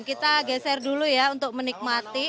kita geser dulu ya untuk menikmati